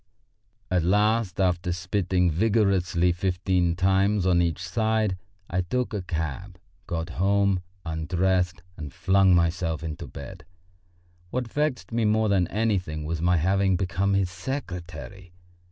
At last, after spitting vigorously fifteen times on each side, I took a cab, got home, undressed and flung myself into bed. What vexed me more than anything was my having become his secretary.